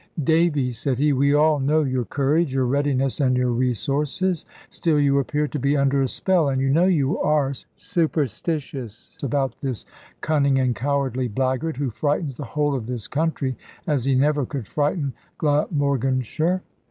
"Davy," said he, "we all know your courage, your readiness, and your resources. Still you appear to be under a spell and you know you are superstitious about this cunning and cowardly blackguard, who frightens the whole of this country, as he never could frighten Glamorganshire."